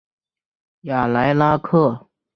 雅莱拉克。